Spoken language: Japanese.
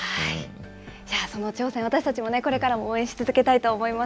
じゃあ、その挑戦を、私たちもこれからも応援し続けたいと思います。